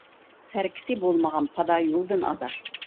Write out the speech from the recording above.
سەركىسى بولمىغان پادا يولدىن ئازار.